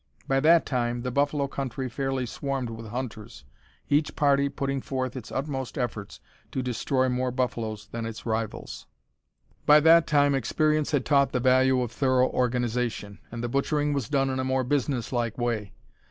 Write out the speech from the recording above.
By that time, the buffalo country fairly swarmed with hunters, each, party putting forth its utmost efforts to destroy more buffaloes than its rivals. By that time experience had taught the value of thorough organization, and the butchering was done in a more business like way.